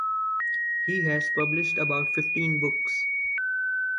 He has published about fifteen books.